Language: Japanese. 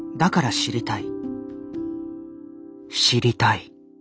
知りたい。